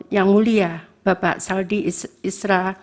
yang mulia bapak saldi isra